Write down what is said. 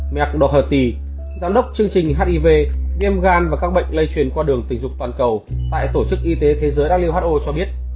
matt doherty giám đốc chương trình hiv niêm gan và các bệnh lây truyền qua đường tình dục toàn cầu tại tổ chức y tế thế giới cho biết